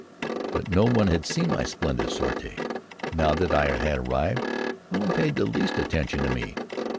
But no one had seen my splendid sortie. Now that I had arrived, no one paid the least attention to me.